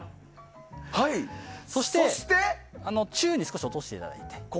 そして中に少し落としていただいて。